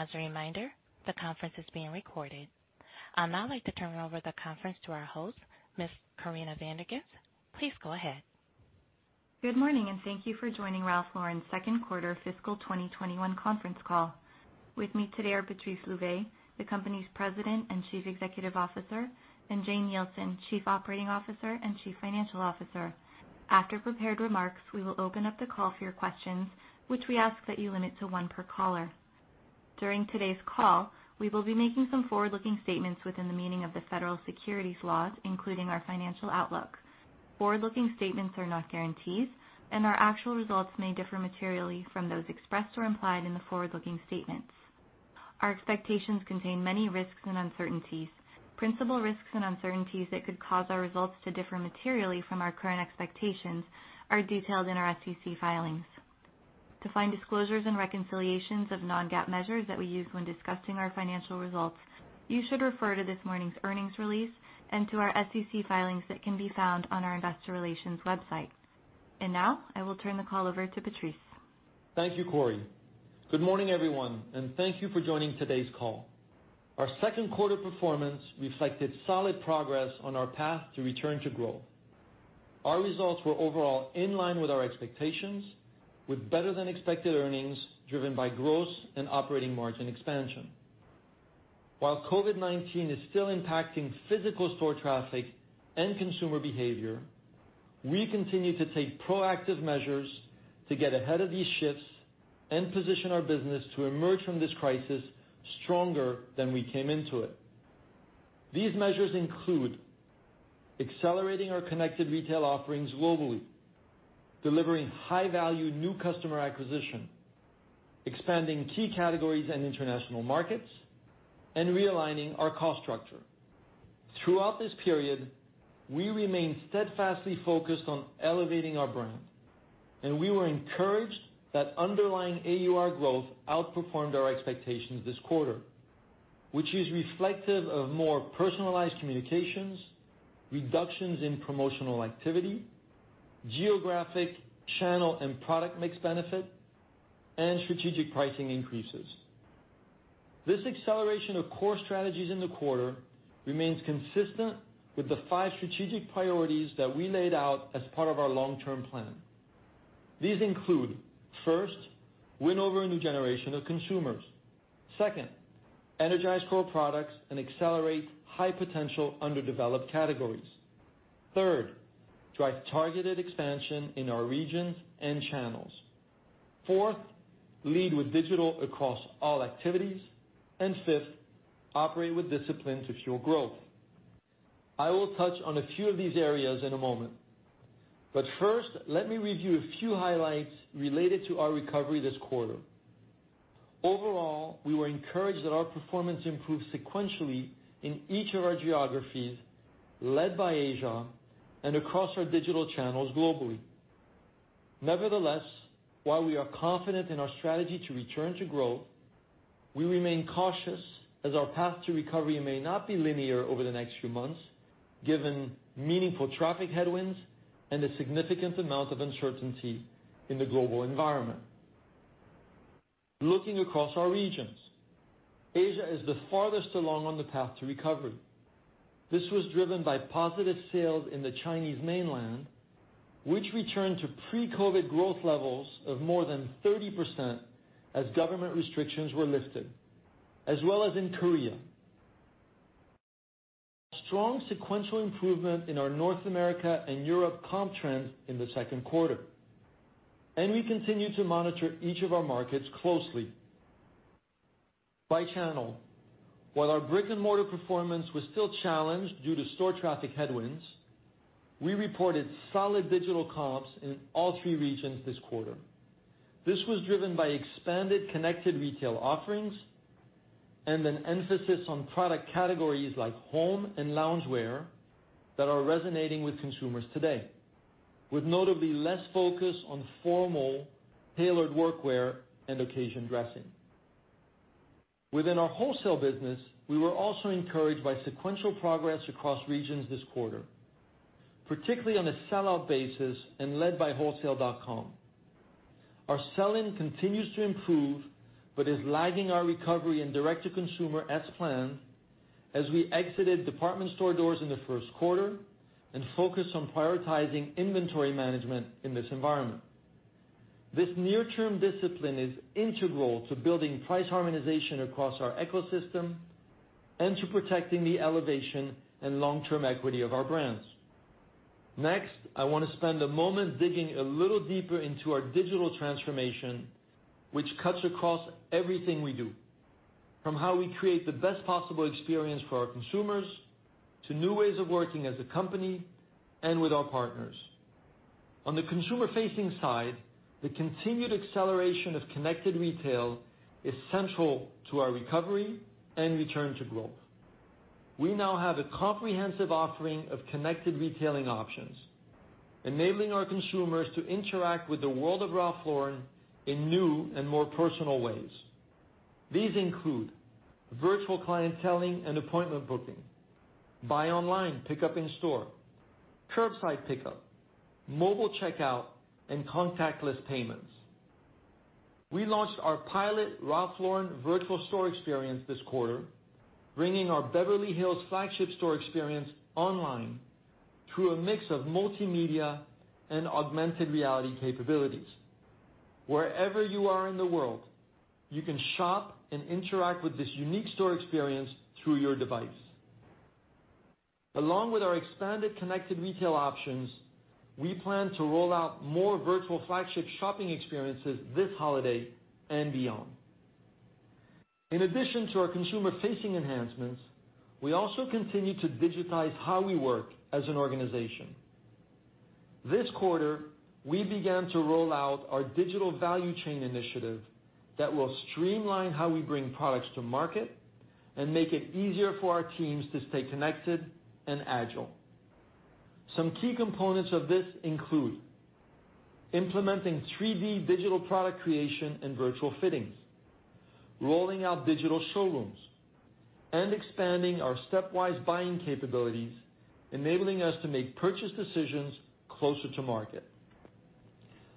As a reminder, the conference is being recorded. I'd now like to turn over the conference to our host, Ms. Corinna Van der Ghinst. Please go ahead. Good morning. Thank you for joining Ralph Lauren's second quarter fiscal 2021 conference call. With me today are Patrice Louvet, the company's President and Chief Executive Officer, and Jane Nielsen, Chief Operating Officer and Chief Financial Officer. After prepared remarks, we will open up the call for your questions, which we ask that you limit to one per caller. During today's call, we will be making some forward-looking statements within the meaning of the federal securities laws, including our financial outlook. Forward-looking statements are not guarantees, and our actual results may differ materially from those expressed or implied in the forward-looking statements. Our expectations contain many risks and uncertainties. Principal risks and uncertainties that could cause our results to differ materially from our current expectations are detailed in our SEC filings. To find disclosures and reconciliations of non-GAAP measures that we use when discussing our financial results, you should refer to this morning's earnings release and to our SEC filings that can be found on our investor relations website. Now, I will turn the call over to Patrice. Thank you, Corrie. Good morning, everyone, and thank you for joining today's call. Our second quarter performance reflected solid progress on our path to return to growth. Our results were overall in line with our expectations, with better than expected earnings driven by gross and operating margin expansion. While COVID-19 is still impacting physical store traffic and consumer behavior, we continue to take proactive measures to get ahead of these shifts and position our business to emerge from this crisis stronger than we came into it. These measures include accelerating our connected retail offerings globally, delivering high-value new customer acquisition, expanding key categories and international markets, and realigning our cost structure. Throughout this period, we remain steadfastly focused on elevating our brand, and we were encouraged that underlying AUR growth outperformed our expectations this quarter, which is reflective of more personalized communications, reductions in promotional activity, geographic channel and product mix benefit, and strategic pricing increases. This acceleration of core strategies in the quarter remains consistent with the five strategic priorities that we laid out as part of our long-term plan. These include, First, win over a new generation of consumers. Second, energize core products and accelerate high-potential underdeveloped categories. Third, drive targeted expansion in our regions and channels. Fourth, lead with digital across all activities. Fifth, operate with discipline to fuel growth. I will touch on a few of these areas in a moment, but first, let me review a few highlights related to our recovery this quarter. Overall, we were encouraged that our performance improved sequentially in each of our geographies, led by Asia, and across our digital channels globally. Nevertheless, while we are confident in our strategy to return to growth, we remain cautious as our path to recovery may not be linear over the next few months, given meaningful traffic headwinds and a significant amount of uncertainty in the global environment. Looking across our regions, Asia is the farthest along on the path to recovery. This was driven by positive sales in the Chinese mainland, which returned to pre-COVID growth levels of more than 30% as government restrictions were lifted, as well as in Korea. Strong sequential improvement in our North America and Europe comp trends in the second quarter, and we continue to monitor each of our markets closely. By channel, while our brick-and-mortar performance was still challenged due to store traffic headwinds, we reported solid digital comps in all three regions this quarter. This was driven by expanded connected retail offerings and an emphasis on product categories like home and loungewear that are resonating with consumers today, with notably less focus on formal tailored workwear and occasion dressing. Within our wholesale business, we were also encouraged by sequential progress across regions this quarter, particularly on a sell-out basis and led by wholesale.com. Our sell-in continues to improve but is lagging our recovery in direct-to-consumer as planned, as we exited department store doors in the first quarter and focused on prioritizing inventory management in this environment. This near-term discipline is integral to building price harmonization across our ecosystem and to protecting the elevation and long-term equity of our brands. Next, I want to spend a moment digging a little deeper into our digital transformation, which cuts across everything we do, from how we create the best possible experience for our consumers, to new ways of working as a company and with our partners. On the consumer-facing side, the continued acceleration of connected retail is central to our recovery and return to growth. We now have a comprehensive offering of connected retailing options, enabling our consumers to interact with the world of Ralph Lauren in new and more personal ways. These include virtual clienteling and appointment booking, buy online, pickup in store, curbside pickup, mobile checkout, and contactless payments. We launched our pilot Ralph Lauren virtual store experience this quarter, bringing our Beverly Hills flagship store experience online through a mix of multimedia and augmented reality capabilities. Wherever you are in the world, you can shop and interact with this unique store experience through your device. Along with our expanded connected retail options, we plan to roll out more virtual flagship shopping experiences this holiday and beyond. In addition to our consumer-facing enhancements, we also continue to digitize how we work as an organization. This quarter, we began to roll out our Digital Value Chain Initiative that will streamline how we bring products to market and make it easier for our teams to stay connected and agile. Some key components of this include implementing 3D digital product creation and virtual fittings, rolling out digital showrooms, and expanding our stepwise buying capabilities, enabling us to make purchase decisions closer to market.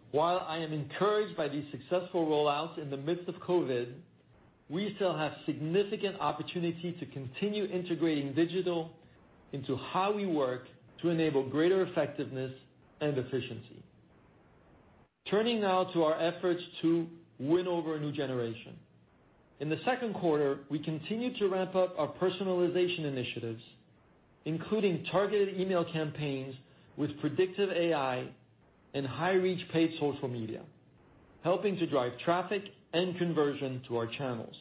While I am encouraged by these successful rollouts in the midst of COVID, we still have significant opportunity to continue integrating digital into how we work to enable greater effectiveness and efficiency. Turning now to our efforts to win over a new generation. In the second quarter, we continued to ramp up our personalization initiatives, including targeted email campaigns with predictive AI and high-reach paid social media, helping to drive traffic and conversion to our channels.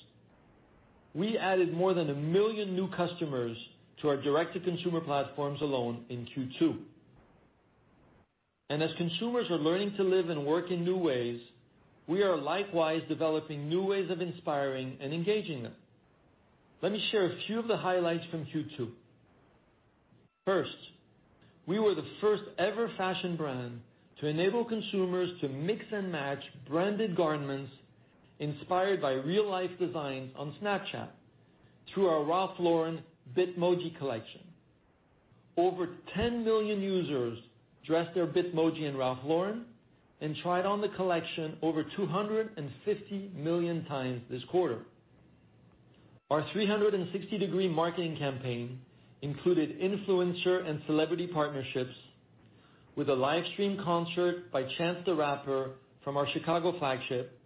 We added more than 1 million new customers to our direct-to-consumer platforms alone in Q2. As consumers are learning to live and work in new ways, we are likewise developing new ways of inspiring and engaging them. Let me share a few of the highlights from Q2. We were the first-ever fashion brand to enable consumers to mix and match branded garments inspired by real-life designs on Snapchat through our Ralph Lauren Bitmoji collection. Over 10 million users dressed their Bitmoji in Ralph Lauren and tried on the collection over 250 million times this quarter. Our 360-degree marketing campaign included influencer and celebrity partnerships with a live stream concert by Chance the Rapper from our Chicago flagship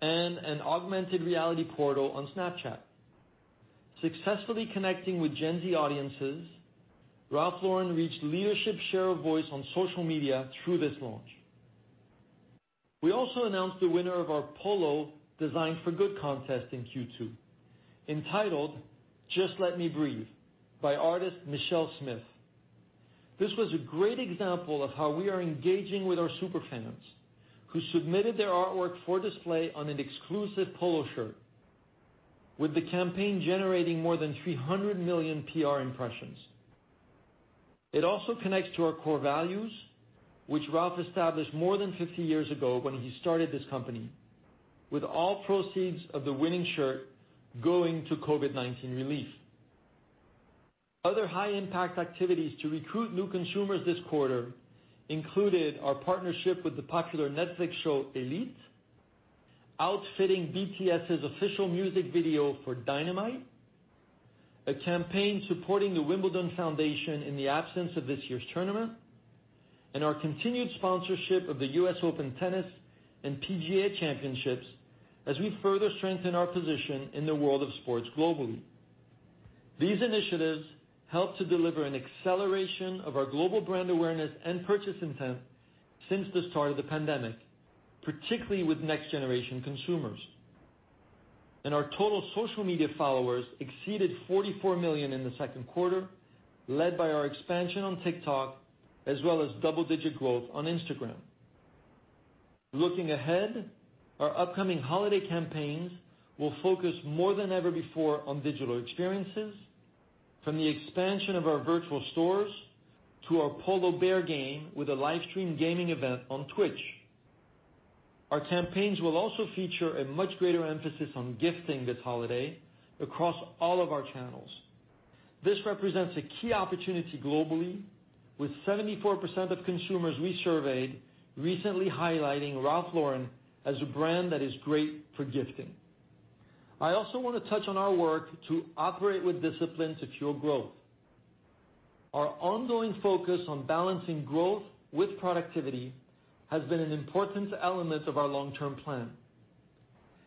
and an augmented reality portal on Snapchat. Successfully connecting with Gen Z audiences, Ralph Lauren reached leadership share of voice on social media through this launch. We also announced the winner of our Polo Design for Good contest in Q2, entitled Just Let Me Breathe by artist Michelle Smith. This was a great example of how we are engaging with our super fans, who submitted their artwork for display on an exclusive polo shirt, with the campaign generating more than 300 million PR impressions. It also connects to our core values, which Ralph established more than 50 years ago when he started this company, with all proceeds of the winning shirt going to COVID-19 relief. Other high-impact activities to recruit new consumers this quarter included our partnership with the popular Netflix show "Elite," outfitting BTS' official music video for "Dynamite," a campaign supporting the Wimbledon Foundation in the absence of this year's tournament, and our continued sponsorship of the US Open Tennis and PGA Championship as we further strengthen our position in the world of sports globally. These initiatives help to deliver an acceleration of our global brand awareness and purchase intent since the start of the pandemic, particularly with next-generation consumers. Our total social media followers exceeded 44 million in the second quarter, led by our expansion on TikTok, as well as double-digit growth on Instagram. Looking ahead, our upcoming holiday campaigns will focus more than ever before on digital experiences, from the expansion of our virtual stores to our Polo Bear game with a live stream gaming event on Twitch. Our campaigns will also feature a much greater emphasis on gifting this holiday across all of our channels. This represents a key opportunity globally, with 74% of consumers we surveyed recently highlighting Ralph Lauren as a brand that is great for gifting. I also want to touch on our work to operate with discipline to fuel growth. Our ongoing focus on balancing growth with productivity has been an important element of our long-term plan.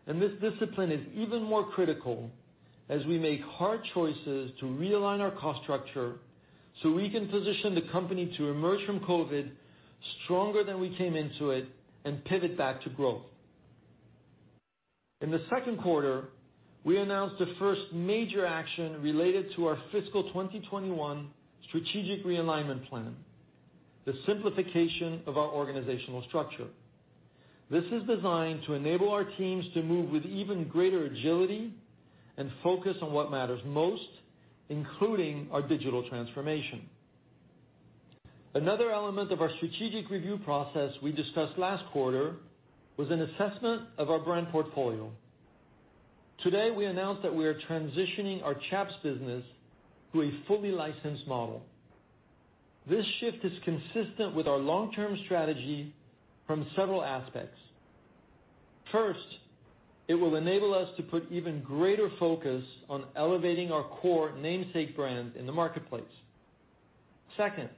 This discipline is even more critical as we make hard choices to realign our cost structure so we can position the company to emerge from COVID stronger than we came into it and pivot back to growth. In the second quarter, we announced the first major action related to our fiscal 2021 strategic realignment plan, the simplification of our organizational structure. This is designed to enable our teams to move with even greater agility and focus on what matters most, including our digital transformation. Another element of our strategic review process we discussed last quarter was an assessment of our brand portfolio. Today, we announced that we are transitioning our Chaps business to a fully licensed model. This shift is consistent with our long-term strategy from several aspects. First, it will enable us to put even greater focus on elevating our core namesake brand in the marketplace. Second,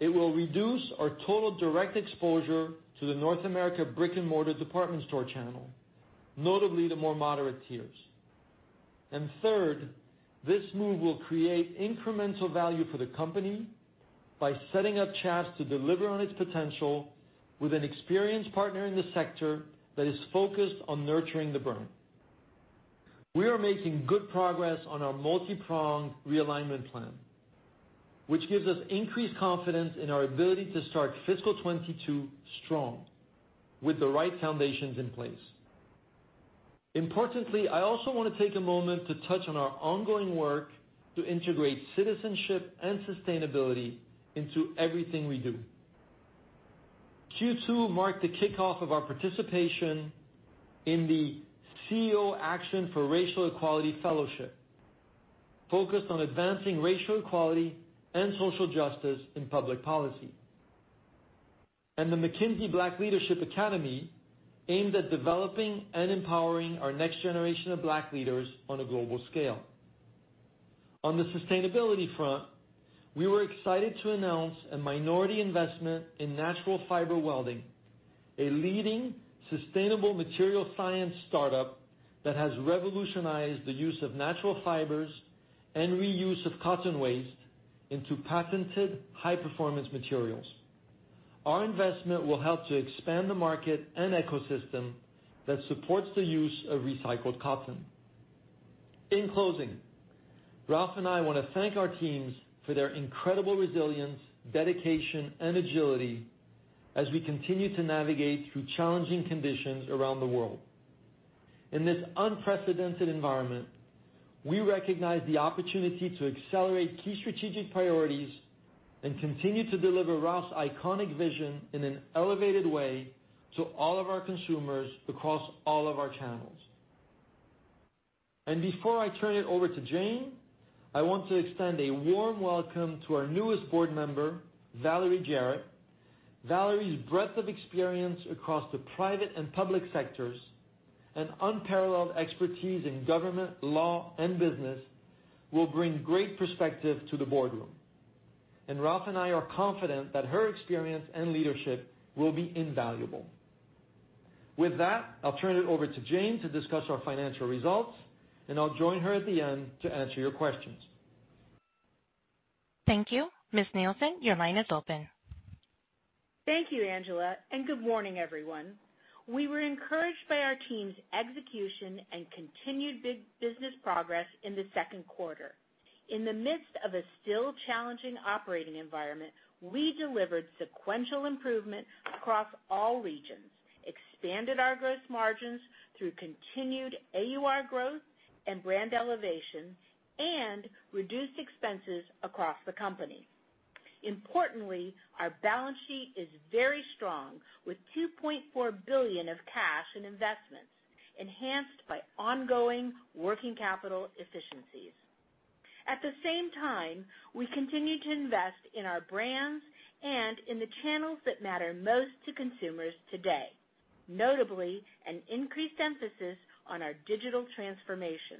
it will reduce our total direct exposure to the North America brick-and-mortar department store channel, notably the more moderate tiers. Third, this move will create incremental value for the company by setting up Chaps to deliver on its potential with an experienced partner in the sector that is focused on nurturing the brand. We are making good progress on our multi-pronged realignment plan, which gives us increased confidence in our ability to start fiscal 2022 strong with the right foundations in place. Importantly, I also want to take a moment to touch on our ongoing work to integrate citizenship and sustainability into everything we do. Q2 marked the kickoff of our participation in the CEO Action for Racial Equity Fellowship, focused on advancing racial equality and social justice in public policy, and the McKinsey Black Leadership Academy, aimed at developing and empowering our next generation of Black leaders on a global scale. On the sustainability front, we were excited to announce a minority investment in Natural Fiber Welding, a leading sustainable material science startup that has revolutionized the use of natural fibers and reuse of cotton waste into patented high-performance materials. Our investment will help to expand the market and ecosystem that supports the use of recycled cotton. In closing, Ralph and I want to thank our teams for their incredible resilience, dedication, and agility as we continue to navigate through challenging conditions around the world. In this unprecedented environment, we recognize the opportunity to accelerate key strategic priorities and continue to deliver Ralph's iconic vision in an elevated way to all of our consumers across all of our channels. Before I turn it over to Jane, I want to extend a warm welcome to our newest board member, Valerie Jarrett. Valerie's breadth of experience across the private and public sectors, and unparalleled expertise in government, law, and business will bring great perspective to the boardroom. Ralph and I are confident that her experience and leadership will be invaluable. With that, I'll turn it over to Jane to discuss our financial results, and I'll join her at the end to answer your questions. Thank you. Ms. Nielsen, your line is open. Thank you, Angela. Good morning, everyone. We were encouraged by our team's execution and continued big business progress in the second quarter. In the midst of a still challenging operating environment, we delivered sequential improvement across all regions, expanded our gross margins through continued AUR growth and brand elevation, and reduced expenses across the company. Importantly, our balance sheet is very strong, with $2.4 billion of cash and investments enhanced by ongoing working capital efficiencies. At the same time, we continue to invest in our brands and in the channels that matter most to consumers today, notably an increased emphasis on our digital transformation.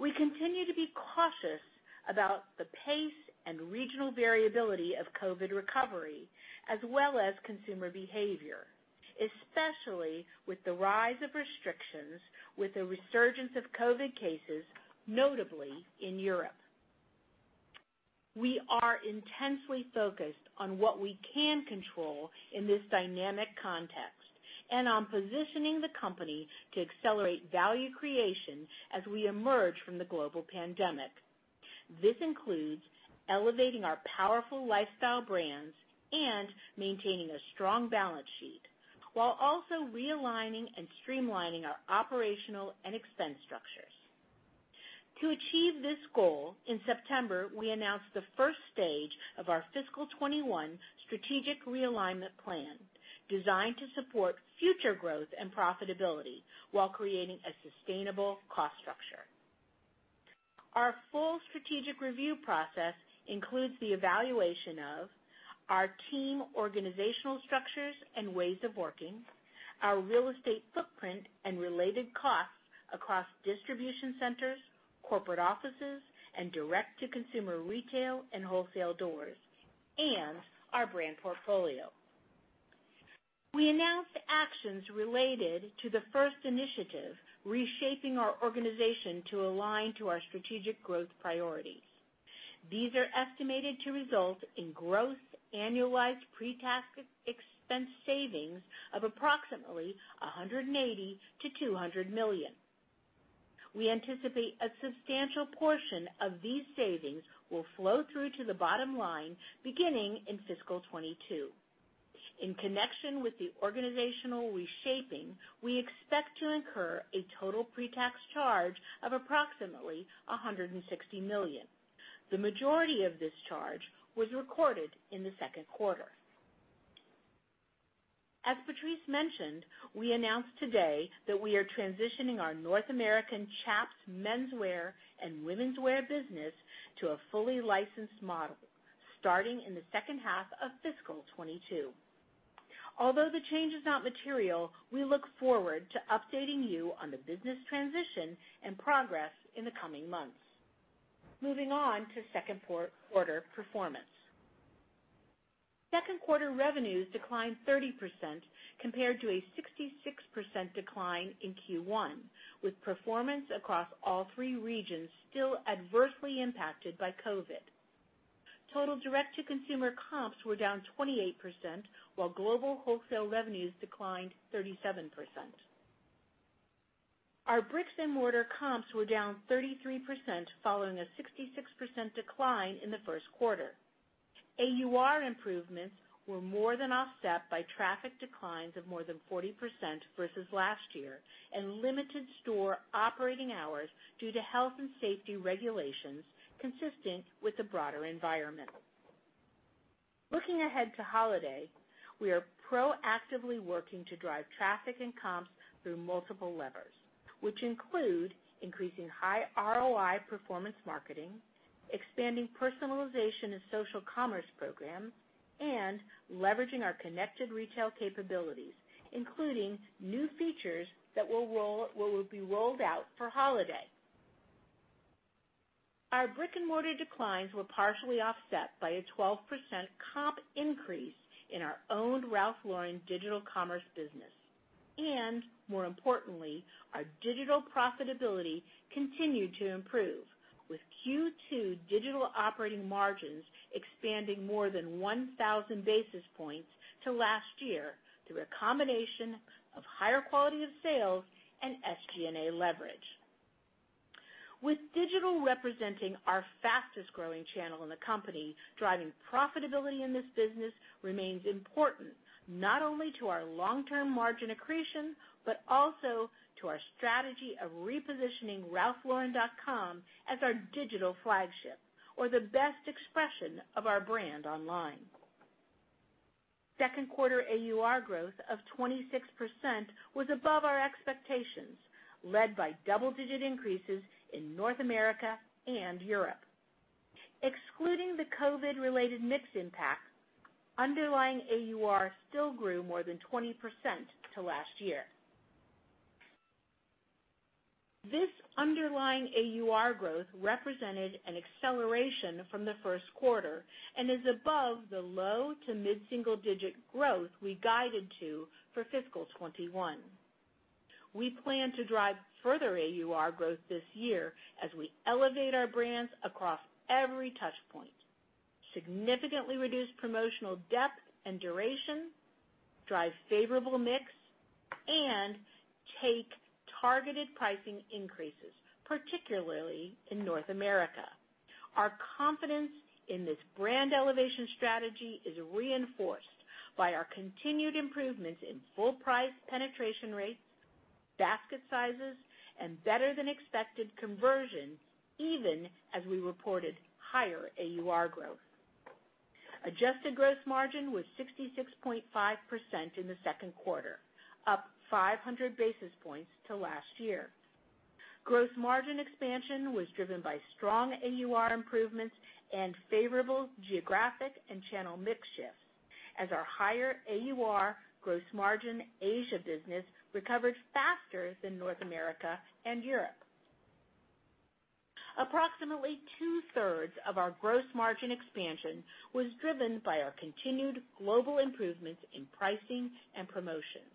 We continue to be cautious about the pace and regional variability of COVID recovery as well as consumer behavior, especially with the rise of restrictions with the resurgence of COVID cases, notably in Europe. We are intensely focused on what we can control in this dynamic context and on positioning the company to accelerate value creation as we emerge from the global pandemic. This includes elevating our powerful lifestyle brands and maintaining a strong balance sheet while also realigning and streamlining our operational and expense structures. To achieve this goal, in September, we announced the stage one of our fiscal 2021 strategic realignment plan designed to support future growth and profitability while creating a sustainable cost structure. Our full strategic review process includes the evaluation of our team organizational structures and ways of working, our real estate footprint and related costs across distribution centers, corporate offices, and direct-to-consumer retail and wholesale doors, and our brand portfolio. We announced actions related to the first initiative, reshaping our organization to align to our strategic growth priorities. These are estimated to result in gross annualized pre-tax expense savings of approximately $180 million-$200 million. We anticipate a substantial portion of these savings will flow through to the bottom line beginning in fiscal 2022. In connection with the organizational reshaping, we expect to incur a total pre-tax charge of approximately $160 million. The majority of this charge was recorded in the second quarter. As Patrice mentioned, we announced today that we are transitioning our North American Chaps menswear and womenswear business to a fully licensed model starting in the second half of fiscal 2022. Although the change is not material, we look forward to updating you on the business transition and progress in the coming months. Moving on to second quarter performance. Second quarter revenues declined 30% compared to a 66% decline in Q1, with performance across all three regions still adversely impacted by COVID. Total direct-to-consumer comps were down 28%, while global wholesale revenues declined 37%. Our brick-and-mortar comps were down 33% following a 66% decline in the first quarter. AUR improvements were more than offset by traffic declines of more than 40% versus last year, and limited store operating hours due to health and safety regulations consistent with the broader environment. Looking ahead to holiday, we are proactively working to drive traffic and comps through multiple levers, which include increasing high ROI performance marketing, expanding personalization and social commerce programs, and leveraging our connected retail capabilities, including new features that will be rolled out for holiday. Our brick-and-mortar declines were partially offset by a 12% comp increase in our owned Ralph Lauren digital commerce business. More importantly, our digital profitability continued to improve, with Q2 digital operating margins expanding more than 1,000 basis points to last year through a combination of higher quality of sales and SG&A leverage. With digital representing our fastest-growing channel in the company, driving profitability in this business remains important, not only to our long-term margin accretion, but also to our strategy of repositioning ralphlauren.com as our digital flagship or the best expression of our brand online. Second quarter AUR growth of 26% was above our expectations, led by double-digit increases in North America and Europe. Excluding the COVID-related mix impact, underlying AUR still grew more than 20% to last year. This underlying AUR growth represented an acceleration from the first quarter and is above the low to mid-single-digit growth we guided to for fiscal 2021. We plan to drive further AUR growth this year as we elevate our brands across every touch point, significantly reduce promotional depth and duration, drive favorable mix, and take targeted pricing increases, particularly in North America. Our confidence in this brand elevation strategy is reinforced by our continued improvements in full price penetration rates, basket sizes, and better than expected conversion, even as we reported higher AUR growth. Adjusted gross margin was 66.5% in the second quarter, up 500 basis points to last year. Gross margin expansion was driven by strong AUR improvements and favorable geographic and channel mix shifts as our higher AUR gross margin Asia business recovered faster than North America and Europe. Approximately two-thirds of our gross margin expansion was driven by our continued global improvements in pricing and promotions,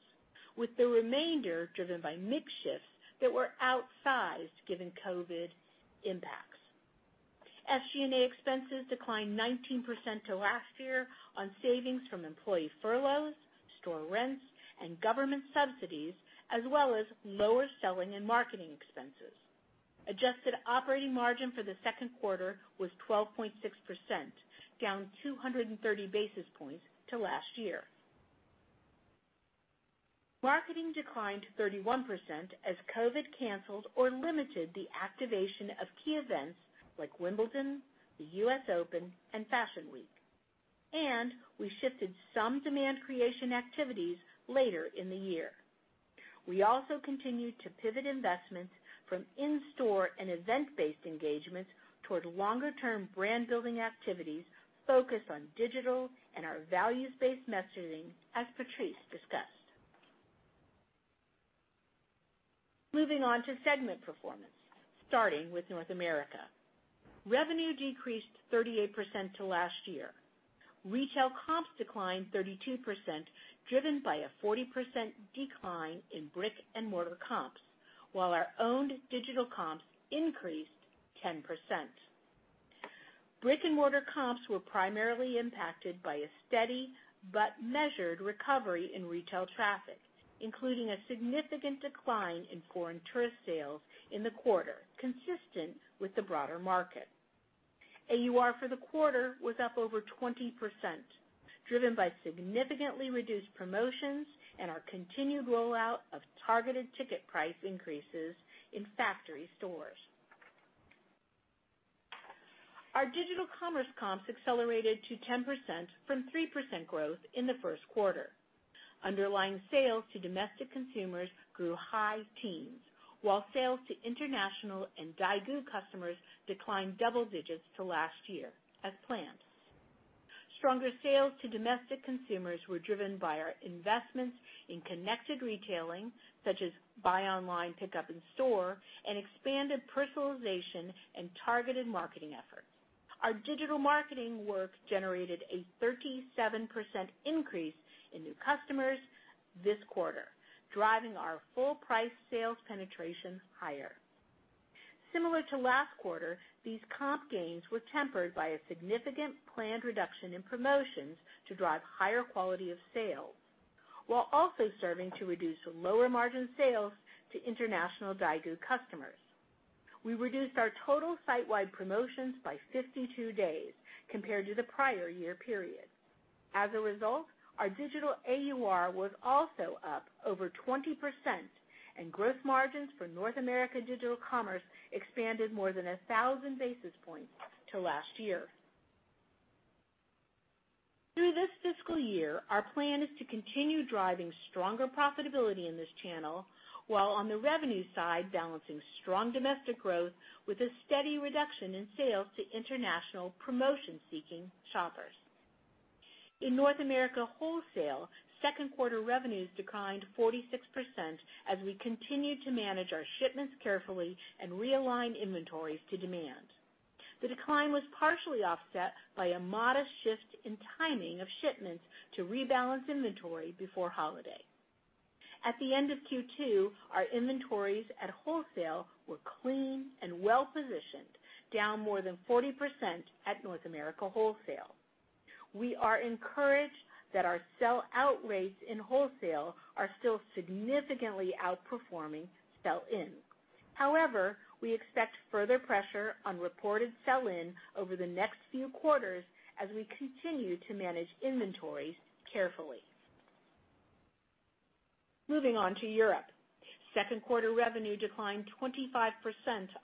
with the remainder driven by mix shifts that were outsized given COVID impacts. SG&A expenses declined 19% to last year on savings from employee furloughs, store rents, and government subsidies, as well as lower selling and marketing expenses. Adjusted operating margin for the second quarter was 12.6%, down 230 basis points to last year. Marketing declined 31% as COVID canceled or limited the activation of key events like Wimbledon, the US Open, and Fashion Week. We shifted some demand creation activities later in the year. We also continued to pivot investments from in-store and event-based engagements toward longer-term brand-building activities focused on digital and our values-based messaging, as Patrice discussed. Moving on to segment performance, starting with North America. Revenue decreased 38% to last year. Retail comps declined 32%, driven by a 40% decline in brick-and-mortar comps, while our owned digital comps increased 10%. Brick-and-mortar comps were primarily impacted by a steady but measured recovery in retail traffic, including a significant decline in foreign tourist sales in the quarter, consistent with the broader market. AUR for the quarter was up over 20%, driven by significantly reduced promotions and our continued rollout of targeted ticket price increases in factory stores. Our digital commerce comps accelerated to 10% from 3% growth in the first quarter. Underlying sales to domestic consumers grew high teens, while sales to international and daigou customers declined double digits to last year, as planned. Stronger sales to domestic consumers were driven by our investments in connected retailing, such as buy online, pickup in store, and expanded personalization and targeted marketing efforts. Our digital marketing work generated a 37% increase in new customers this quarter, driving our full price sales penetration higher. Similar to last quarter, these comp gains were tempered by a significant planned reduction in promotions to drive higher quality of sales, while also serving to reduce lower margin sales to international daigou customers. We reduced our total site-wide promotions by 52 days compared to the prior year period. As a result, our digital AUR was also up over 20% and gross margins for North America digital commerce expanded more than 1,000 basis points to last year. Through this fiscal year, our plan is to continue driving stronger profitability in this channel, while on the revenue side, balancing strong domestic growth with a steady reduction in sales to international promotion-seeking shoppers. In North America wholesale, second quarter revenues declined 46% as we continued to manage our shipments carefully and realign inventories to demand. The decline was partially offset by a modest shift in timing of shipments to rebalance inventory before holiday. At the end of Q2, our inventories at wholesale were clean and well-positioned, down more than 40% at North America wholesale. We are encouraged that our sell-out rates in wholesale are still significantly outperforming sell-in. We expect further pressure on reported sell-in over the next few quarters as we continue to manage inventories carefully. Moving on to Europe. Second quarter revenue declined 25%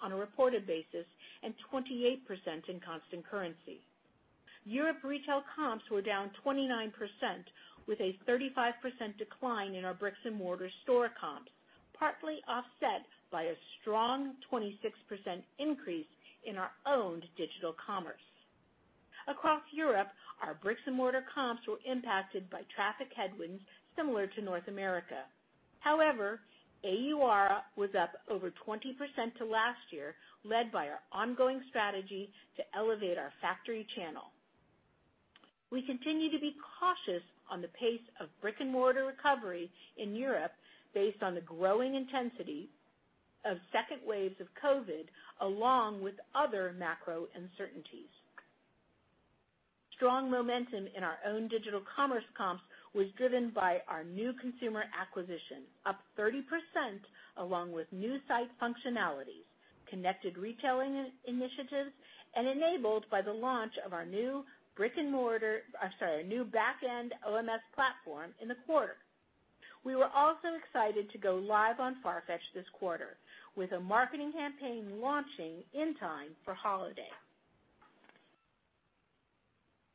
on a reported basis and 28% in constant currency. Europe retail comps were down 29% with a 35% decline in our bricks and mortar store comps, partly offset by a strong 26% increase in our owned digital commerce. Across Europe, our bricks and mortar comps were impacted by traffic headwinds similar to North America. However, AUR was up over 20% to last year, led by our ongoing strategy to elevate our factory channel. We continue to be cautious on the pace of brick and mortar recovery in Europe based on the growing intensity of second waves of COVID, along with other macro uncertainties. Strong momentum in our own digital commerce comps was driven by our new consumer acquisition, up 30%, along with new site functionalities, connected retailing initiatives, and enabled by the launch of our new back-end OMS platform in the quarter. We were also excited to go live on FARFETCH this quarter with a marketing campaign launching in time for holiday.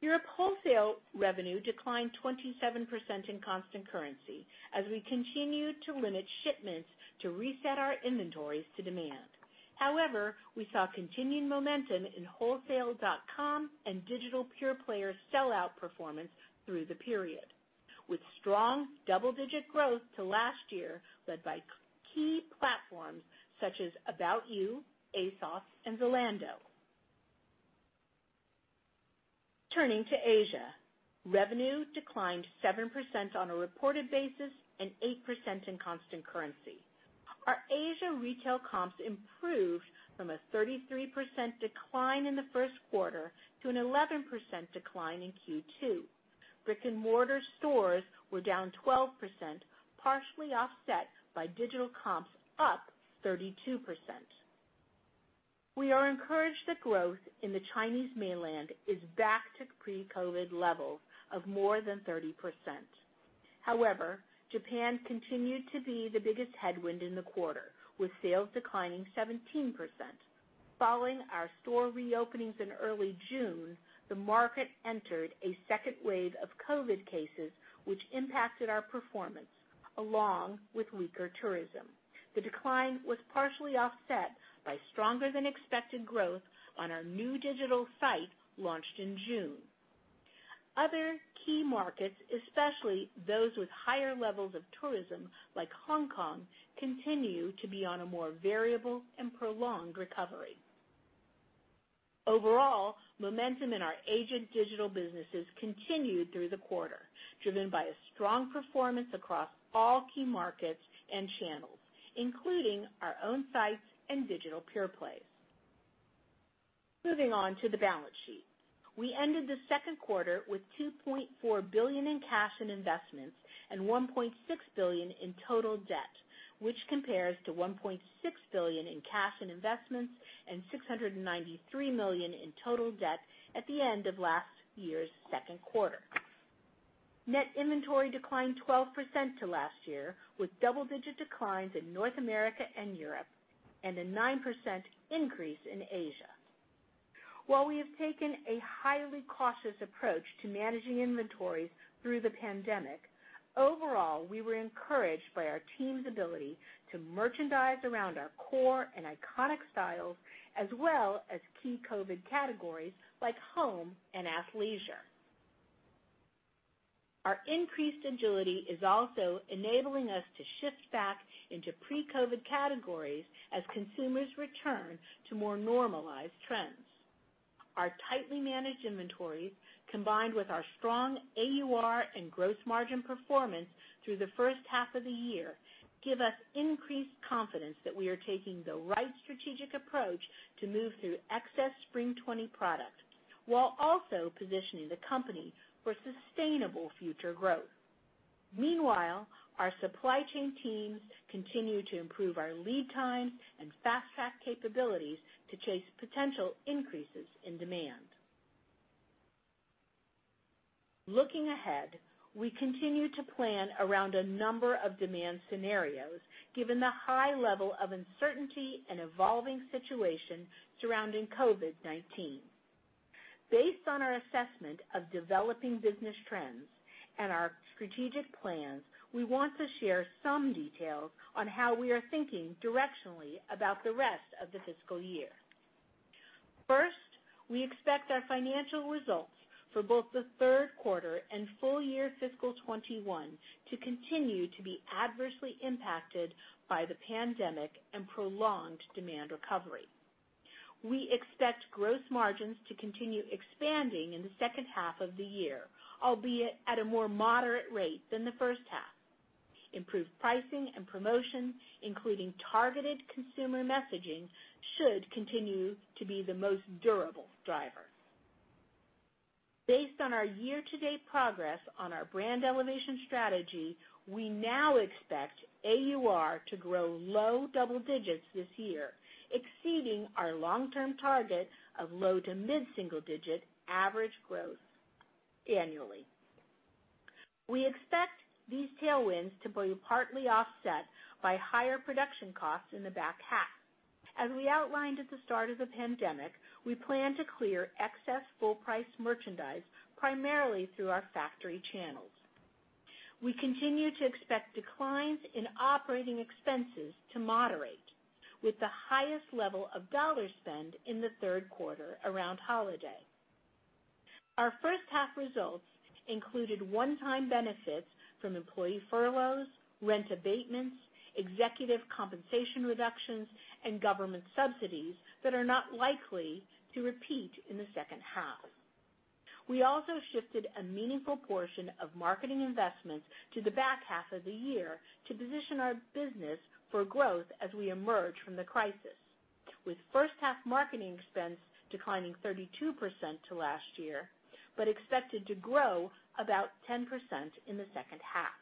Europe wholesale revenue declined 27% in constant currency as we continued to limit shipments to reset our inventories to demand. We saw continued momentum in wholesale.com and digital pure player sell-out performance through the period, with strong double-digit growth to last year, led by key platforms such as ABOUT YOU, ASOS, and Zalando. Turning to Asia. Revenue declined 7% on a reported basis and 8% in constant currency. Our Asia retail comps improved from a 33% decline in the first quarter to an 11% decline in Q2. Brick and mortar stores were down 12%, partially offset by digital comps up 32%. We are encouraged that growth in the Chinese mainland is back to pre-COVID levels of more than 30%. Japan continued to be the biggest headwind in the quarter, with sales declining 17%. Following our store reopenings in early June, the market entered a second wave of COVID cases, which impacted our performance along with weaker tourism. The decline was partially offset by stronger than expected growth on our new digital site launched in June. Other key markets, especially those with higher levels of tourism like Hong Kong, continue to be on a more variable and prolonged recovery. Momentum in our Asian digital businesses continued through the quarter, driven by a strong performance across all key markets and channels, including our own sites and digital pure plays. Moving on to the balance sheet. We ended the second quarter with $2.4 billion in cash and investments and $1.6 billion in total debt, which compares to $1.6 billion in cash and investments and $693 million in total debt at the end of last year's second quarter. Net inventory declined 12% to last year, with double-digit declines in North America and Europe and a 9% increase in Asia. While we have taken a highly cautious approach to managing inventories through the pandemic, overall, we were encouraged by our team's ability to merchandise around our core and iconic styles, as well as key COVID categories like home and athleisure. Our increased agility is also enabling us to shift back into pre-COVID categories as consumers return to more normalized trends. Our tightly managed inventories, combined with our strong AUR and gross margin performance through the first half of the year, give us increased confidence that we are taking the right strategic approach to move through excess spring '20 product, while also positioning the company for sustainable future growth. Meanwhile, our supply chain teams continue to improve our lead times and fast-track capabilities to chase potential increases in demand. Looking ahead, we continue to plan around a number of demand scenarios, given the high level of uncertainty and evolving situation surrounding COVID-19. Based on our assessment of developing business trends and our strategic plans, we want to share some details on how we are thinking directionally about the rest of the fiscal year. We expect our financial results for both the third quarter and full year fiscal 2021 to continue to be adversely impacted by the pandemic and prolonged demand recovery. We expect gross margins to continue expanding in the second half of the year, albeit at a more moderate rate than the first half. Improved pricing and promotion, including targeted consumer messaging, should continue to be the most durable driver. Based on our year-to-date progress on our brand elevation strategy, we now expect AUR to grow low double digits this year, exceeding our long-term target of low to mid-single-digit average growth annually. We expect these tailwinds to be partly offset by higher production costs in the back half. As we outlined at the start of the pandemic, we plan to clear excess full-price merchandise primarily through our factory channels. We continue to expect declines in operating expenses to moderate, with the highest level of dollar spend in the third quarter around holiday. Our first half results included one-time benefits from employee furloughs, rent abatements, executive compensation reductions, and government subsidies that are not likely to repeat in the second half. We also shifted a meaningful portion of marketing investments to the back half of the year to position our business for growth as we emerge from the crisis, with first half marketing expense declining 32% to last year, but expected to grow about 10% in the second half.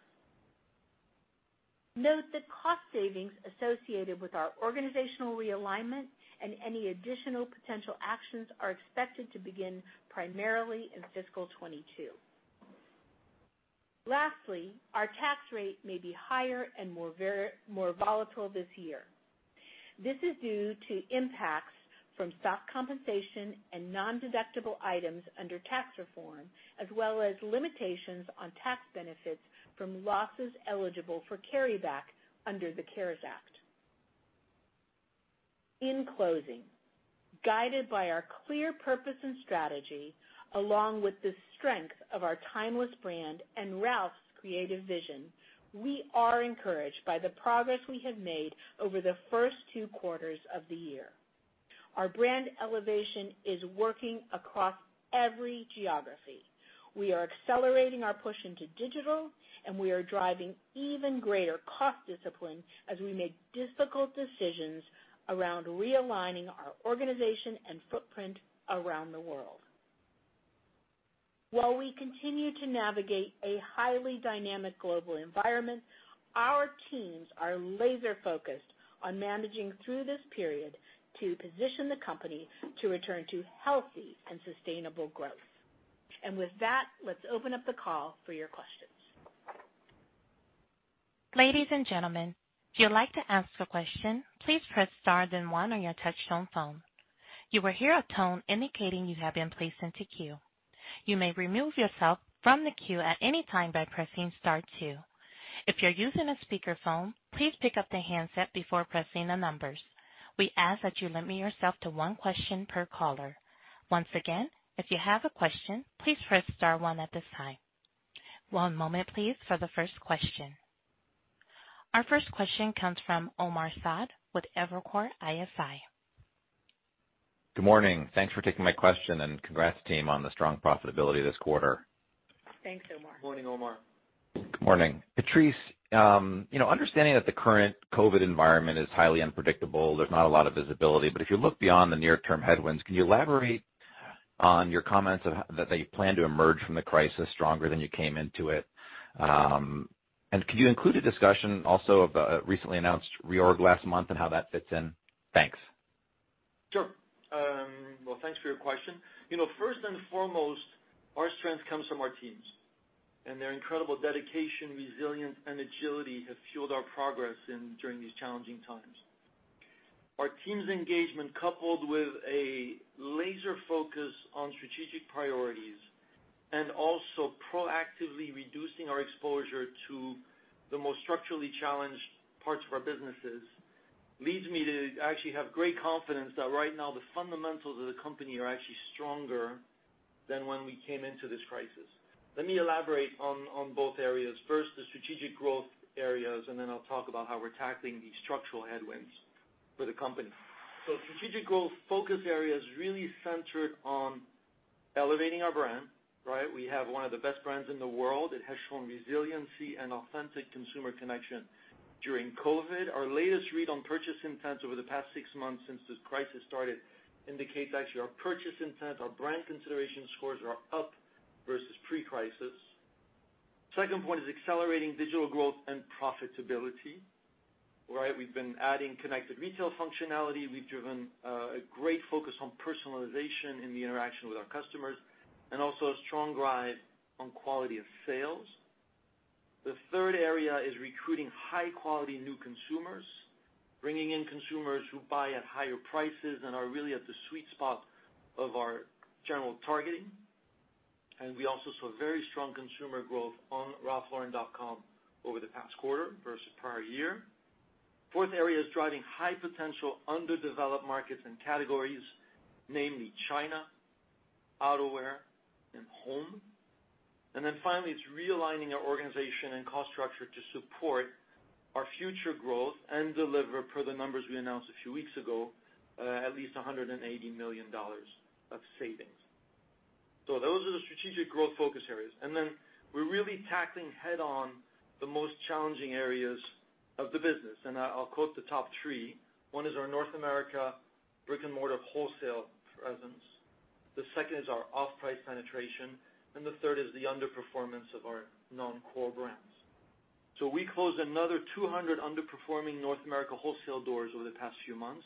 Note that cost savings associated with our organizational realignment and any additional potential actions are expected to begin primarily in fiscal 2022. Lastly, our tax rate may be higher and more volatile this year. This is due to impacts from stock compensation and non-deductible items under tax reform, as well as limitations on tax benefits from losses eligible for carryback under the CARES Act. In closing, guided by our clear purpose and strategy, along with the strength of our timeless brand and Ralph's creative vision, we are encouraged by the progress we have made over the first two quarters of the year. Our brand elevation is working across every geography. We are accelerating our push into digital, and we are driving even greater cost discipline as we make difficult decisions around realigning our organization and footprint around the world. While we continue to navigate a highly dynamic global environment, our teams are laser-focused on managing through this period to position the company to return to healthy and sustainable growth. With that, let's open up the call for your questions. Our first question comes from Omar Saad with Evercore ISI. Good morning. Thanks for taking my question. Congrats, team, on the strong profitability this quarter. Thanks, Omar. Morning, Omar. Good morning. Patrice, understanding that the current COVID environment is highly unpredictable, there's not a lot of visibility. If you look beyond the near-term headwinds, can you elaborate on your comments that they plan to emerge from the crisis stronger than you came into it? Could you include a discussion also of recently announced reorg last month and how that fits in? Thanks. Sure. Thanks for your question. First and foremost, our strength comes from our teams, and their incredible dedication, resilience, and agility have fueled our progress during these challenging times. Our team's engagement, coupled with a laser focus on strategic priorities and also proactively reducing our exposure to the most structurally challenged parts of our businesses, leads me to actually have great confidence that right now the fundamentals of the company are actually stronger than when we came into this crisis. Let me elaborate on both areas. First, the strategic growth areas, and then I'll talk about how we're tackling these structural headwinds for the company. Strategic growth focus areas really centered on elevating our brand. We have one of the best brands in the world. It has shown resiliency and authentic consumer connection during COVID-19. Our latest read on purchase intent over the past six months since this crisis started indicates actually our purchase intent, our brand consideration scores are up versus pre-crisis. Second point is accelerating digital growth and profitability. We've been adding connected retail functionality. We've driven a great focus on personalization in the interaction with our customers, and also a strong drive on quality of sales. The third area is recruiting high-quality new consumers, bringing in consumers who buy at higher prices and are really at the sweet spot of our general targeting. We also saw very strong consumer growth on ralphlauren.com over the past quarter versus prior year. Fourth area is driving high-potential underdeveloped markets and categories, namely, China, outerwear, and home. Finally, it's realigning our organization and cost structure to support our future growth and deliver per the numbers we announced a few weeks ago, at least $180 million of savings. Those are the strategic growth focus areas. We're really tackling head-on the most challenging areas of the business, and I'll quote the top three. One is our North America brick-and-mortar wholesale presence, the second is our off-price penetration, and the third is the underperformance of our non-core brands. We closed another 200 underperforming North America wholesale doors over the past few months.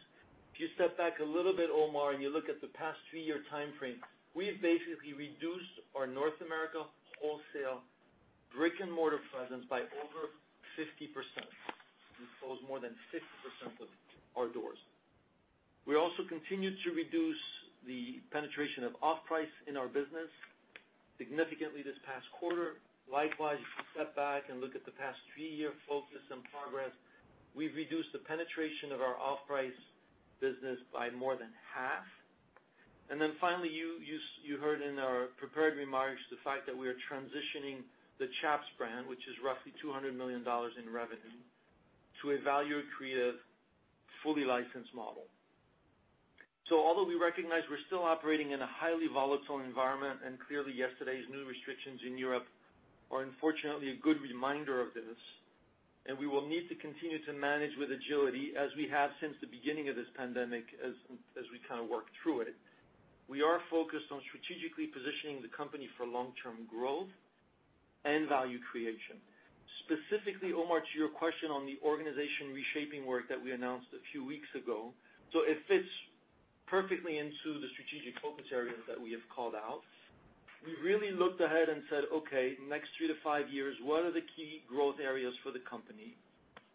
If you step back a little bit, Omar, and you look at the past three-year timeframe, we've basically reduced our North America wholesale brick-and-mortar presence by over 50%. We closed more than 50% of our doors. We also continued to reduce the penetration of off-price in our business significantly this past quarter. Likewise, if you step back and look at the past three-year focus and progress, we've reduced the penetration of our off-price business by more than half. Finally, you heard in our prepared remarks the fact that we are transitioning the Chaps brand, which is roughly $200 million in revenue, to a value creative, fully licensed model. Although we recognize we're still operating in a highly volatile environment, and clearly yesterday's new restrictions in Europe are unfortunately a good reminder of this, and we will need to continue to manage with agility as we have since the beginning of this pandemic as we work through it. We are focused on strategically positioning the company for long-term growth and value creation. Specifically, Omar, to your question on the organization reshaping work that we announced a few weeks ago, it fits perfectly into the strategic focus areas that we have called out. We really looked ahead and said, "Okay, next three to five years, what are the key growth areas for the company?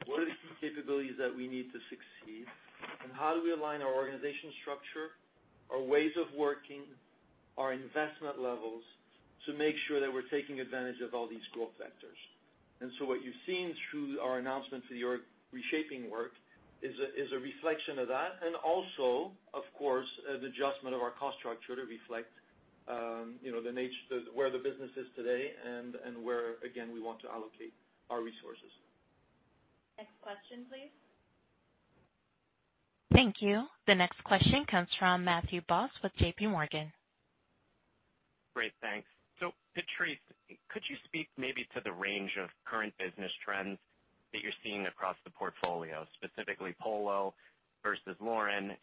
What are the key capabilities that we need to succeed? How do we align our organization structure, our ways of working, our investment levels to make sure that we're taking advantage of all these growth vectors?" What you've seen through our announcement for the reshaping work is a reflection of that, and also, of course, an adjustment of our cost structure to reflect where the business is today and where, again, we want to allocate our resources. Next question, please. Thank you. The next question comes from Matthew Boss with JPMorgan. Great. Thanks. Patrice, could you speak maybe to the range of current business trends that you're seeing across the portfolio, specifically Polo versus Lauren?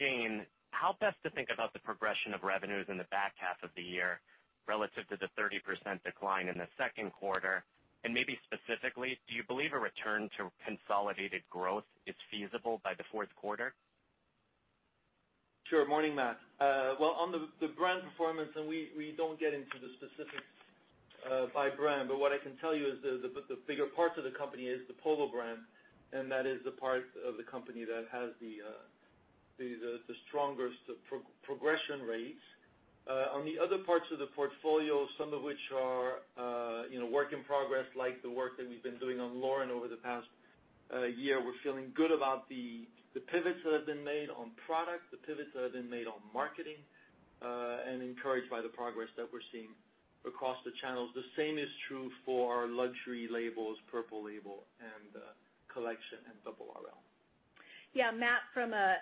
Jane, how best to think about the progression of revenues in the back half of the year relative to the 30% decline in the second quarter? Maybe specifically, do you believe a return to consolidated growth is feasible by the fourth quarter? Sure. Morning, Matt. Well, on the brand performance, and we don't get into the specifics by brand, but what I can tell you is the bigger parts of the company is the Polo brand, and that is the part of the company that has the strongest progression rates. On the other parts of the portfolio, some of which are work in progress, like the work that we've been doing on Lauren over the past year, we're feeling good about the pivots that have been made on product, the pivots that have been made on marketing, and encouraged by the progress that we're seeing across the channels. The same is true for our luxury labels, Purple Label, and Collection, and Double RL. Matt, from a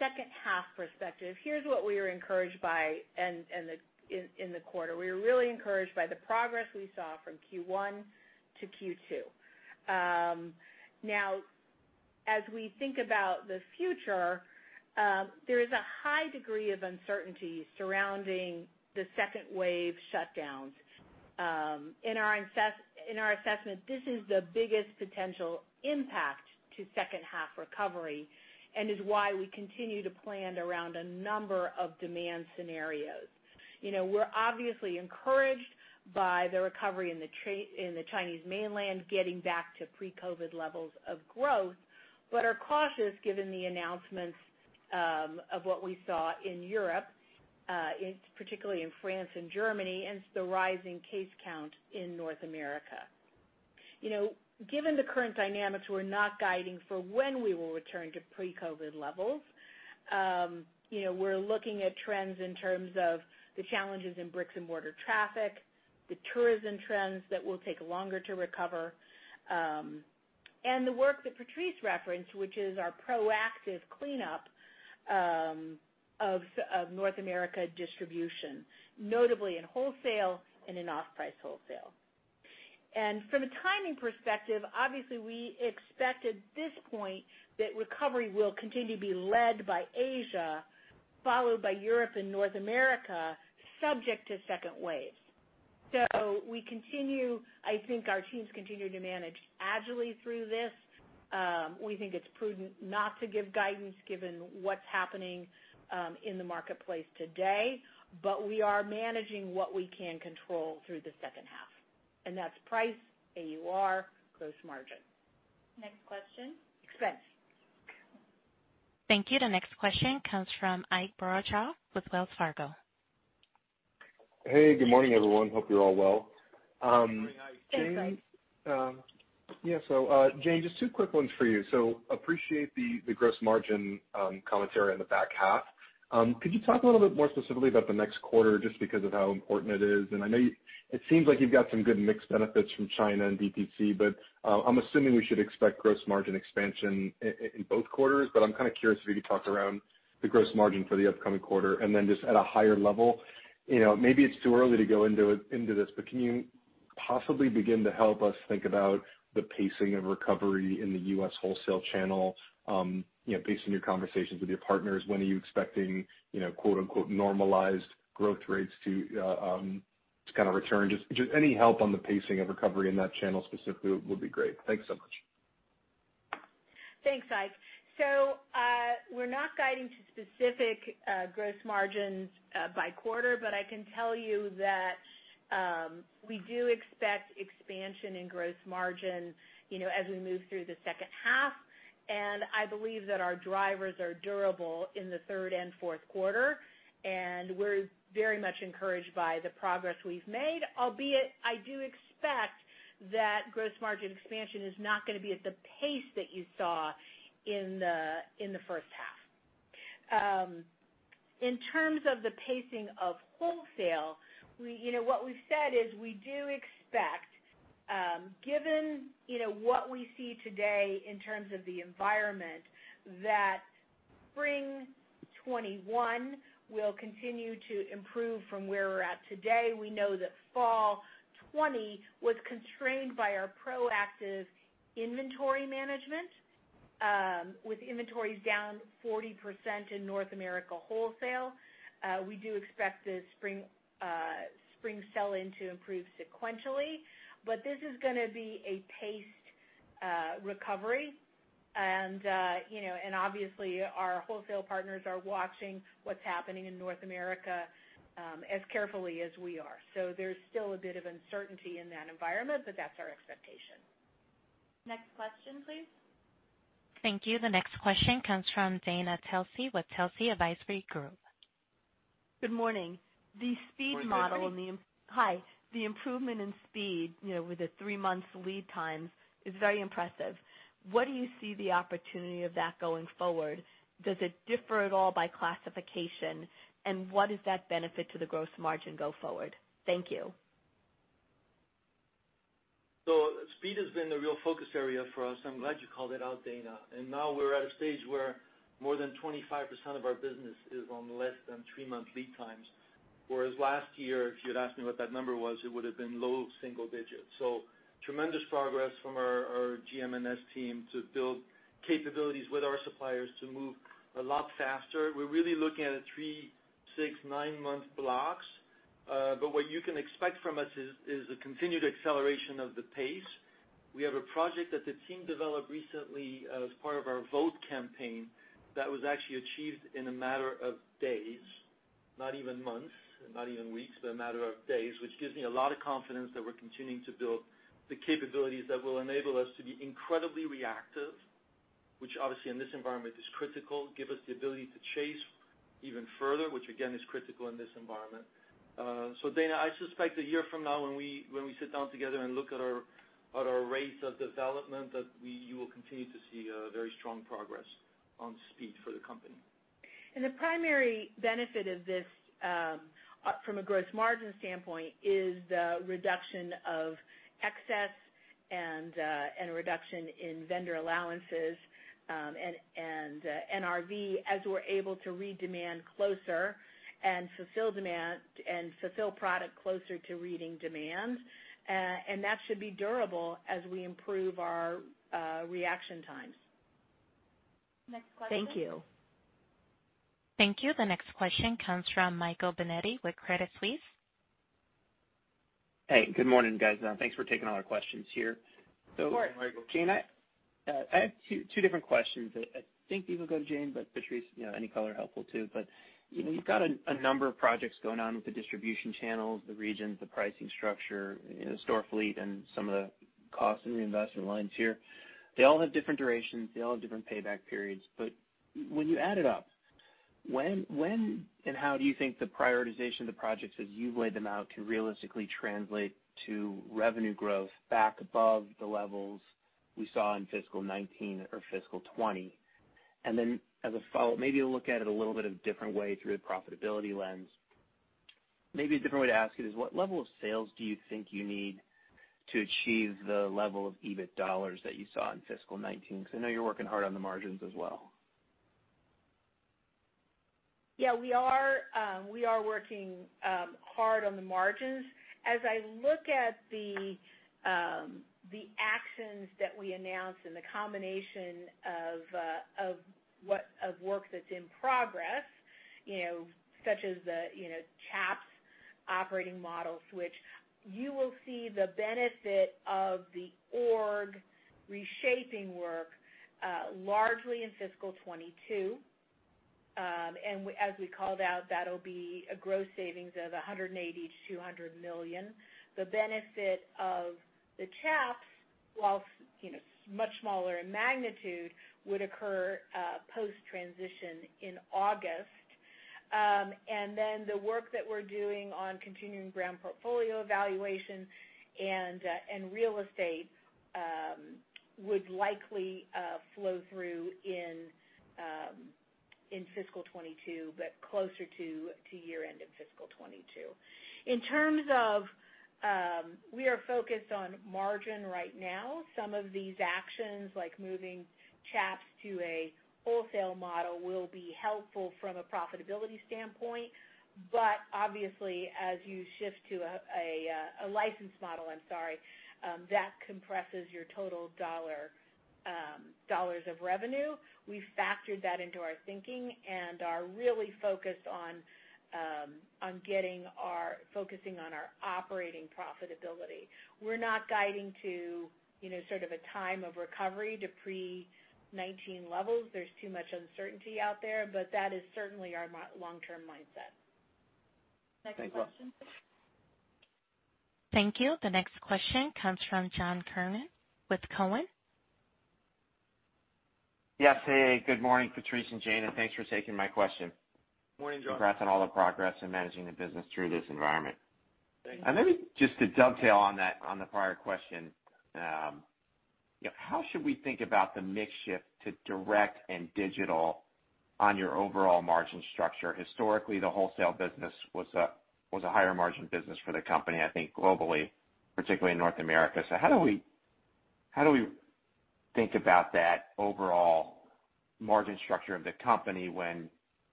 second half perspective, here's what we are encouraged by in the quarter. We are really encouraged by the progress we saw from Q1 to Q2. As we think about the future, there is a high degree of uncertainty surrounding the second wave shutdowns. In our assessment, this is the biggest potential impact to second half recovery and is why we continue to plan around a number of demand scenarios. We're obviously encouraged by the recovery in the Chinese mainland getting back to pre-COVID levels of growth, are cautious given the announcements of what we saw in Europe, particularly in France and Germany, and the rising case count in North America. Given the current dynamics, we're not guiding for when we will return to pre-COVID levels. We're looking at trends in terms of the challenges in bricks and mortar traffic, the tourism trends that will take longer to recover, and the work that Patrice referenced, which is our proactive cleanup of North America distribution, notably in wholesale and in off-price wholesale. I think our teams continue to manage agilely through this. We think it's prudent not to give guidance given what's happening in the marketplace today, but we are managing what we can control through the second half, and that's price, AUR, gross margin. Next question. Expense. Thank you. The next question comes from Ike Boruchow with Wells Fargo. Hey, good morning, everyone. Hope you're all well. Morning, Ike. Thanks, Ike. Yeah. Jane, just two quick ones for you. Appreciate the gross margin commentary on the back half. Could you talk a little bit more specifically about the next quarter just because of how important it is? I know it seems like you've got some good mixed benefits from China and DTC, but I'm assuming we should expect gross margin expansion in both quarters. I'm kind of curious if you could talk around the gross margin for the upcoming quarter and then just at a higher level. Maybe it's too early to go into this, but can you possibly begin to help us think about the pacing of recovery in the U.S. wholesale channel based on your conversations with your partners? When are you expecting "normalized growth rates" to return? Just any help on the pacing of recovery in that channel specifically would be great. Thanks so much. Thanks, Ike. We're not guiding to specific gross margins by quarter. I can tell you that we do expect expansion in gross margin as we move through the second half. I believe that our drivers are durable in the third and fourth quarter, and we're very much encouraged by the progress we've made. Albeit, I do expect that gross margin expansion is not going to be at the pace that you saw in the first half. In terms of the pacing of wholesale, what we've said is we do expect, given what we see today in terms of the environment, that spring 2021 will continue to improve from where we're at today. We know that fall 2020 was constrained by our proactive inventory management, with inventories down 40% in North America wholesale. We do expect the spring sell-in to improve sequentially. This is going to be a paced recovery. Obviously our wholesale partners are watching what's happening in North America as carefully as we are. There's still a bit of uncertainty in that environment. That's our expectation. Next question, please. Thank you. The next question comes from Dana Telsey with Telsey Advisory Group. Good morning. Good morning. Hi. The improvement in speed, with the three months lead times is very impressive. What do you see the opportunity of that going forward? Does it differ at all by classification? What is that benefit to the gross margin go forward? Thank you. Speed has been a real focus area for us. I'm glad you called it out, Dana. Now we're at a stage where more than 25% of our business is on less than three month lead times. Whereas last year, if you had asked me what that number was, it would have been low single digits. Tremendous progress from our GM&S team to build capabilities with our suppliers to move a lot faster. We're really looking at a three, six, nine-month blocks. What you can expect from us is a continued acceleration of the pace. We have a project that the team developed recently as part of our Vote campaign that was actually achieved in a matter of days, not even months, not even weeks, but a matter of days, which gives me a lot of confidence that we're continuing to build the capabilities that will enable us to be incredibly reactive. Which obviously in this environment is critical, give us the ability to chase even further, which again, is critical in this environment. Dana, I suspect a year from now when we sit down together and look at our rates of development, that you will continue to see very strong progress on speed for the company. The primary benefit of this, from a gross margin standpoint, is the reduction of excess and a reduction in vendor allowances, and NRV, as we're able to read demand closer and fulfill product closer to reading demand. That should be durable as we improve our reaction times. Next question. Thank you. The next question comes from Michael Binetti with Credit Suisse. Hey, good morning, guys. Thanks for taking all our questions here. Good morning, Michael. Jane, I have two different questions. I think these will go to Jane, but Patrice, any color helpful too. You've got a number of projects going on with the distribution channels, the regions, the pricing structure, store fleet, and some of the cost and reinvestment lines here. They all have different durations, they all have different payback periods, but when you add it up, when and how do you think the prioritization of the projects as you've laid them out can realistically translate to revenue growth back above the levels we saw in fiscal 2019 or fiscal 2020? As a follow-up, maybe you'll look at it a little bit of different way through the profitability lens. A different way to ask it is what level of sales do you think you need to achieve the level of EBIT dollars that you saw in fiscal 2019? I know you're working hard on the margins as well. Yeah, we are working hard on the margins. As I look at the actions that we announced and the combination of work that's in progress, such as the Chaps operating model switch, you will see the benefit of the org reshaping work largely in fiscal 2022. As we called out, that'll be a gross savings of $180 million-$200 million. Then the work that we're doing on continuing brand portfolio evaluation and real estate would likely flow through in fiscal 2022, but closer to year-end in fiscal 2022. We are focused on margin right now. Some of these actions, like moving Chaps to a wholesale model, will be helpful from a profitability standpoint. Obviously, as you shift to a license model, I'm sorry, that compresses your total dollars of revenue. We factored that into our thinking and are really focused on focusing on our operating profitability. We're not guiding to a time of recovery to pre-2019 levels. There's too much uncertainty out there, that is certainly our long-term mindset. Thanks. Next question. Thank you. The next question comes from John Kernan with Cowen. Yes, hey, good morning, Patrice and Jane, and thanks for taking my question. Morning, John. Congrats on all the progress in managing the business through this environment. Thank you. Maybe just to dovetail on the prior question, how should we think about the mix shift to direct and digital on your overall margin structure? Historically, the wholesale business was a higher margin business for the company, I think globally, particularly in North America. How do we think about that overall margin structure of the company when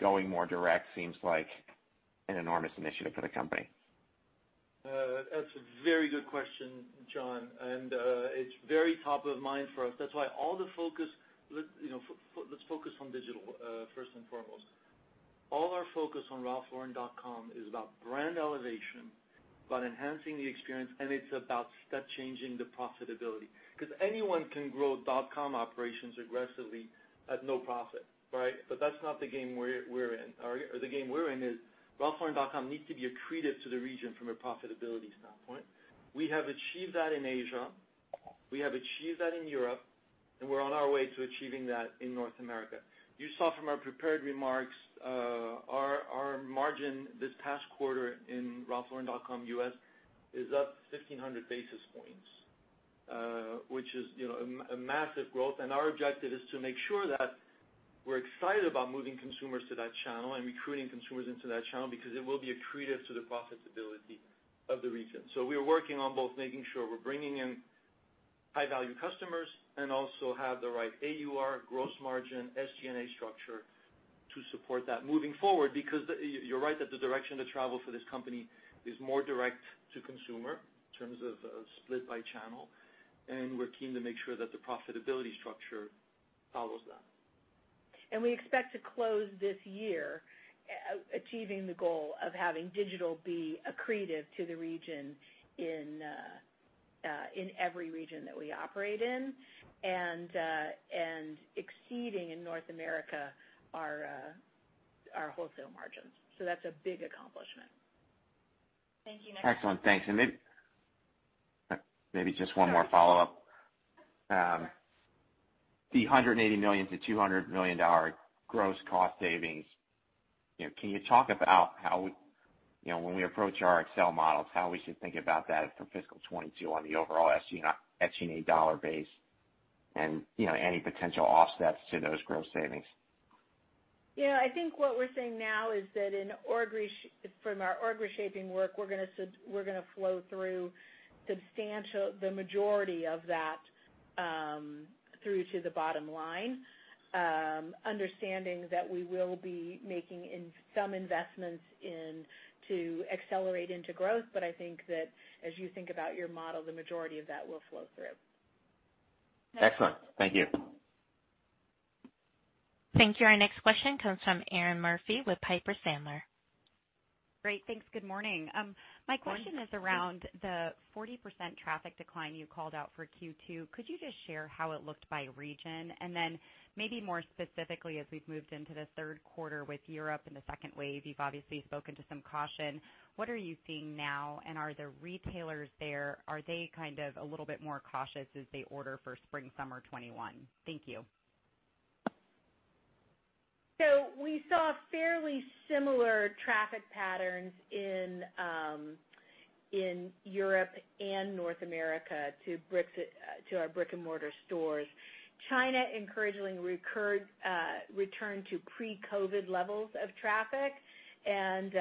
going more direct seems like an enormous initiative for the company? That's a very good question, John. It's very top of mind for us. That's why let's focus on digital first and foremost. All our focus on ralphlauren.com is about brand elevation, about enhancing the experience, and it's about step-changing the profitability. Anyone can grow dot com operations aggressively at no profit, right? That's not the game we're in. The game we're in is ralphlauren.com needs to be accretive to the region from a profitability standpoint. We have achieved that in Asia. We have achieved that in Europe, and we're on our way to achieving that in North America. You saw from our prepared remarks, our margin this past quarter in ralphlauren.com U.S. is up 1,500 basis points, which is a massive growth. Our objective is to make sure that we're excited about moving consumers to that channel and recruiting consumers into that channel because it will be accretive to the profitability of the region. We are working on both making sure we're bringing in high-value customers and also have the right AUR gross margin, SG&A structure to support that moving forward, because you're right that the direction of travel for this company is more direct to consumer in terms of split by channel, and we're keen to make sure that the profitability structure follows that. We expect to close this year achieving the goal of having digital be accretive to the region in every region that we operate in, and exceeding in North America our wholesale margins. That's a big accomplishment. Thank you. Excellent, thanks. Maybe just one more follow-up. The $180 million-$200 million gross cost savings, can you talk about how, when we approach our Excel models, how we should think about that from fiscal 2022 on the overall SG&A dollar base and any potential offsets to those gross savings? I think what we're saying now is that from our org reshaping work, we're going to flow through substantial, the majority of that through to the bottom line, understanding that we will be making some investments in to accelerate into growth. I think that as you think about your model, the majority of that will flow through. Excellent. Thank you. Thank you. Our next question comes from Erinn Murphy with Piper Sandler. Great. Thanks. Good morning. My question is around the 40% traffic decline you called out for Q2. Could you just share how it looked by region? Then maybe more specifically, as we've moved into the third quarter with Europe and the second wave, you've obviously spoken to some caution. What are you seeing now, and are the retailers there, are they a little bit more cautious as they order for spring/summer 2021? Thank you. We saw fairly similar traffic patterns in Europe and North America to our brick and mortar stores. China encouragingly returned to pre-COVID levels of traffic and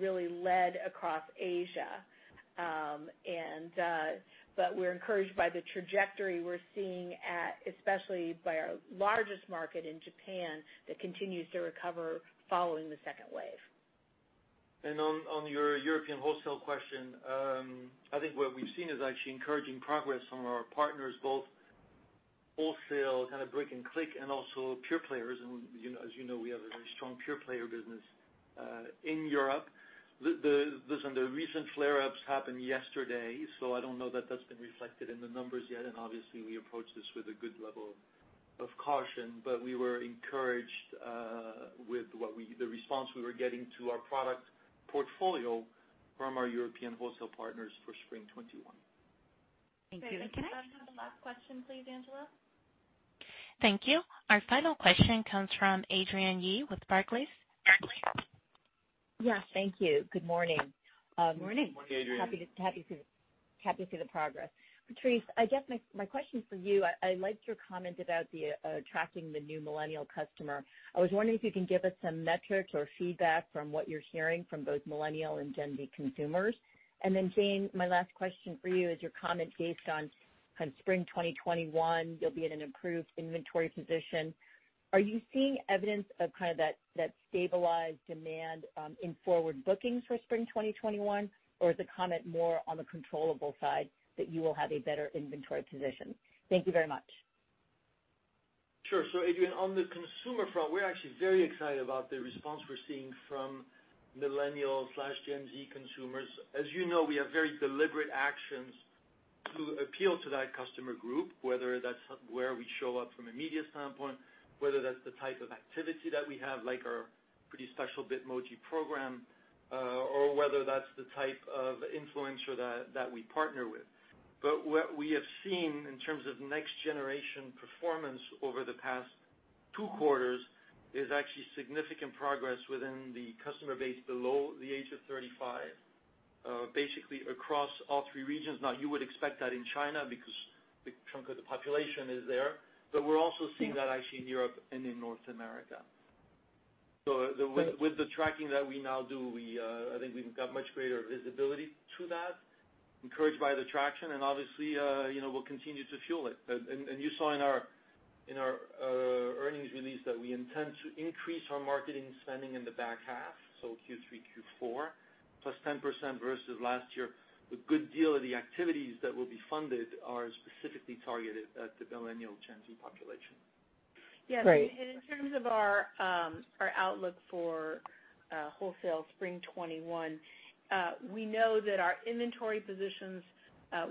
really led across Asia. We're encouraged by the trajectory we're seeing at, especially by our largest market in Japan, that continues to recover following the second wave. On your European wholesale question, I think what we've seen is actually encouraging progress from our partners, both wholesale, kind of brick and click, and also pure players. As you know, we have a very strong pure player business in Europe. Listen, the recent flare-ups happened yesterday, so I don't know that that's been reflected in the numbers yet, and obviously we approach this with a good level of caution. We were encouraged with the response we were getting to our product portfolio from our European wholesale partners for spring 2021. Thank you. Can I have the last question please, Angela? Thank you. Our final question comes from Adrienne Yih with Barclays. Yes. Thank you. Good morning. Morning, Adrienne. Happy to see the progress. Patrice, I guess my question is for you. I liked your comment about the attracting the new millennial customer. I was wondering if you can give us some metrics or feedback from what you're hearing from both millennial and Gen Z consumers. Jane, my last question for you is your comment based on spring 2021, you'll be in an improved inventory position. Are you seeing evidence of that stabilized demand in forward bookings for spring 2021? Is the comment more on the controllable side that you will have a better inventory position? Thank you very much. Sure. Adrienne, on the consumer front, we're actually very excited about the response we're seeing from millennial/Gen Z consumers. As you know, we have very deliberate actions to appeal to that customer group, whether that's where we show up from a media standpoint, whether that's the type of activity that we have, like our pretty special Bitmoji program, or whether that's the type of influencer that we partner with. What we have seen in terms of next generation performance over the past two quarters is actually significant progress within the customer base below the age of 35, basically across all three regions. You would expect that in China because a big chunk of the population is there, but we're also seeing that actually in Europe and in North America. With the tracking that we now do, I think we've got much greater visibility to that, encouraged by the traction, and obviously we'll continue to fuel it. You saw in our earnings release that we intend to increase our marketing spending in the back half, so Q3, Q4, plus 10% versus last year. A good deal of the activities that will be funded are specifically targeted at the millennial Gen Z population. Great. Yes, in terms of our outlook for wholesale spring 2021, we know that our inventory positions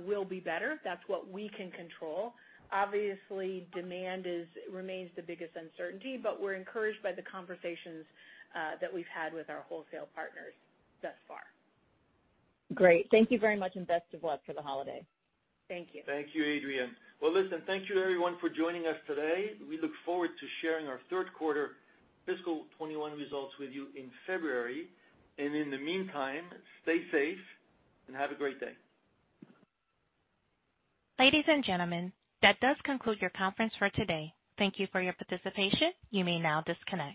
will be better. That's what we can control. Obviously, demand remains the biggest uncertainty, but we're encouraged by the conversations that we've had with our wholesale partners thus far. Great. Thank you very much, and best of luck for the holiday. Thank you. Thank you, Adrienne. Well, listen, thank you to everyone for joining us today. We look forward to sharing our third quarter fiscal 2021 results with you in February, and in the meantime, stay safe and have a great day. Ladies and gentlemen, that does conclude your conference for today. Thank you for your participation. You may now disconnect.